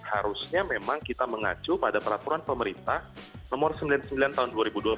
harusnya memang kita mengacu pada peraturan pemerintah nomor sembilan puluh sembilan tahun dua ribu dua puluh